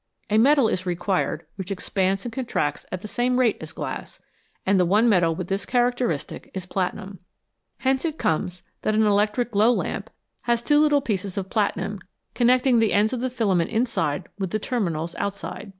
A metal is required which expands and contracts at the same rate as glass, and the one metal with this characteristic is platinum. Hence it comes that an electric glow lamp has two little pieces of platinum 69 METALS, COMMON AND UNCOMMON connecting the ends of the filament inside with the terminals outside.